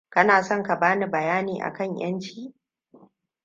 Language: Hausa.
Kana son ka bani bayani akan yanci?